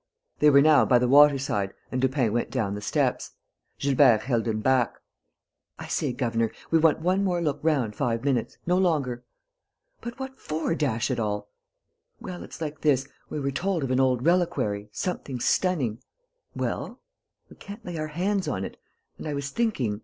They were now by the waterside and Lupin went down the steps. Gilbert held him back: "I say, governor, we want one more look round five minutes, no longer." "But what for, dash it all?" "Well, it's like this: we were told of an old reliquary, something stunning...." "Well?" "We can't lay our hands on it. And I was thinking....